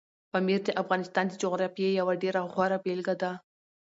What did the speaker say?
پامیر د افغانستان د جغرافیې یوه ډېره غوره بېلګه ده.